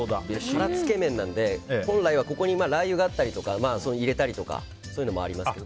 辛つけめんなので本来は、ここにラー油を入れたりとかそういうのもありますけど。